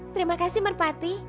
terima kasih merpati